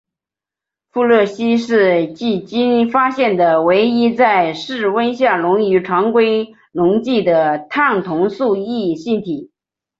富勒烯是迄今发现的唯一在室温下溶于常规溶剂的碳同素异性体。